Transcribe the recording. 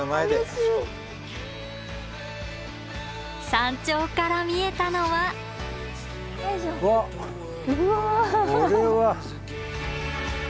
山頂から見えたのはこれは。